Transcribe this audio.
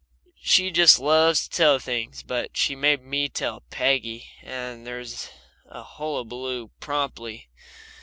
She just loves to tell things, but she made me tell Peggy, and there was a hullabaloo promptly.